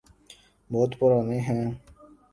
بہت پرانے ہیں۔